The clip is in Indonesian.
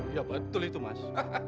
iya betul itu mas